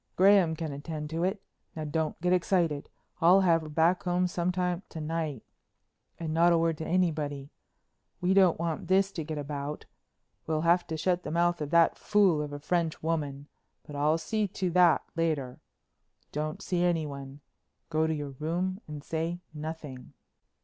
Graham can attend to it. Now don't get excited, I'll have her back some time to night. And not a word to anybody. We don't want this to get about. We'll have to shut the mouth of that fool of a French woman, but I'll see to that later. Don't see anyone. Go to your room and say nothing."